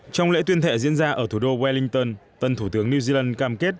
trong lễ tuyên thệ diễn ra ở thủ đô waelton tân thủ tướng new zealand cam kết